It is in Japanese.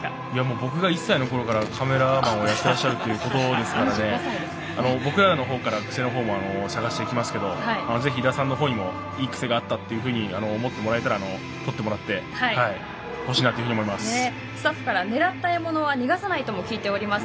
僕が１歳のころからカメラマンをやってらっしゃるので僕らのほうからクセのほうも探していきますけどぜひ、井田さんのほうにもいいクセがあったと思ってもらったら撮ってもらってほしいなと思います。